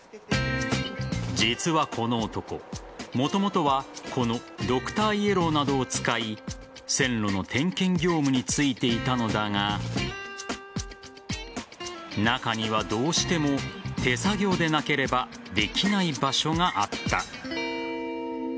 実は、この男もともとはこのドクターイエローなどを使い線路の点検業務に就いていたのだが中には、どうしても手作業でなければできない場所があった。